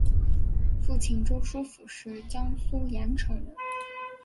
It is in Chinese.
父亲周书府是江苏盐城人。